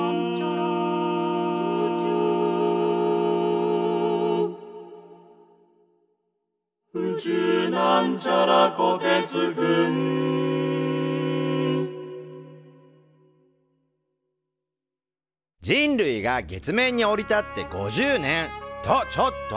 「宇宙」人類が月面に降り立って５０年！とちょっと。